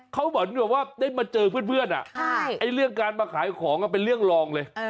เขาเหมือนแบบว่าได้มาเจอเพื่อนเรื่องการมาขายของเป็นเรื่องรองเลย